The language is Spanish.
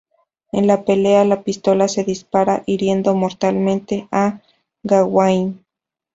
En la pelea, la pistola se dispara, hiriendo mortalmente a Gawain.